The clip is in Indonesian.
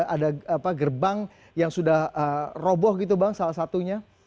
ada gerbang yang sudah roboh gitu bang salah satunya